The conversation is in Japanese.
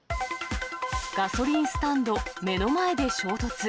ガソリンスタンド、目の前で衝突。